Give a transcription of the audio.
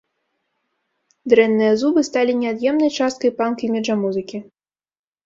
Дрэнныя зубы сталі неад'емнай часткай панк-іміджа музыкі.